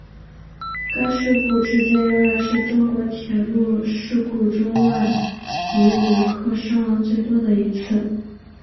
该事故至今仍然是中国铁路事故中外籍旅客伤亡最多的一次。